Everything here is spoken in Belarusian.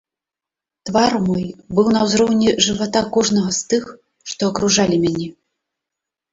Твар мой быў на ўзроўні жывата кожнага з тых, што абкружалі мяне.